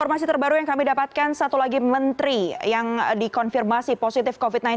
informasi terbaru yang kami dapatkan satu lagi menteri yang dikonfirmasi positif covid sembilan belas